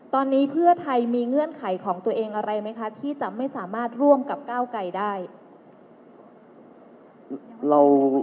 ตอนนี้เพื่อไทยมีเงื่อนไขของตัวเองอะไรไหมคะที่จะไม่สามารถร่วมกับก้าวไกลได้